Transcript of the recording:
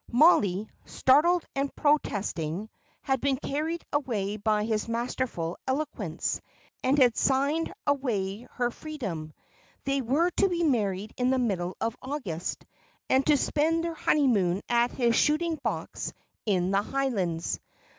Mollie, startled and protesting, had been carried away by his masterful eloquence, and had signed away her freedom. They were to be married in the middle of August, and to spend their honeymoon at his shooting box in the Highlands.